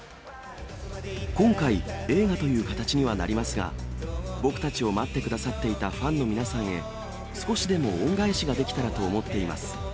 今回、映画という形にはなりますが、僕たちを待ってくださっていたファンの皆さんへ、少しでも恩返しができたらと思っています。